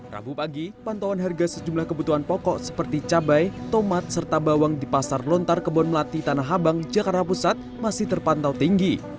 rabu pagi pantauan harga sejumlah kebutuhan pokok seperti cabai tomat serta bawang di pasar lontar kebon melati tanah abang jakarta pusat masih terpantau tinggi